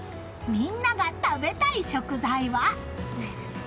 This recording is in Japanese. みんなが食べたい食材は？